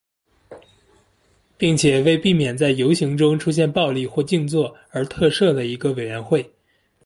并且为避免在游行中出现暴力或静坐而特设了一个委员会。